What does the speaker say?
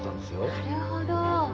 なるほど。